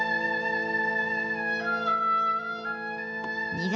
２月。